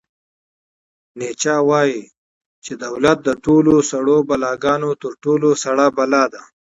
نیچه وایي چې دولت د ټولو سړو بلاګانو تر ټولو سړه بلا ده.